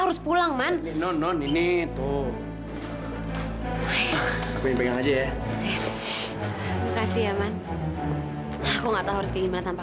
harus pulang man non ini tuh aku ingin aja ya makasih ya man aku nggak tahu harus kayak gimana tanpa